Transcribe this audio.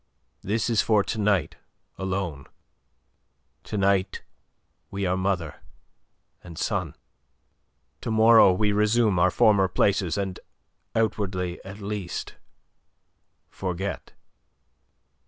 This is for to night alone. To night we are mother and son. To morrow we resume our former places, and, outwardly at least, forget."